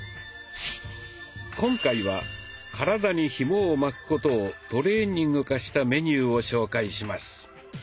今回は体にひもを巻くことをトレーニング化したメニューを紹介します。